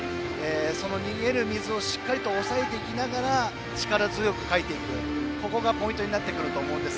その逃げる水をしっかりと押さえていきながら力強く、かいていくのがポイントになってくると思います。